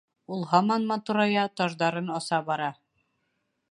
Ул һаман матурая, таждарын аса бара.